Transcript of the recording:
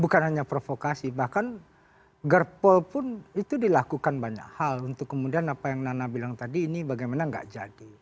bukan hanya provokasi bahkan gerpol pun itu dilakukan banyak hal untuk kemudian apa yang nana bilang tadi ini bagaimana nggak jadi